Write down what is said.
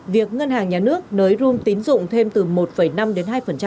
việc ngân hàng nhà nước nới room tín dụng thêm từ một năm đến hai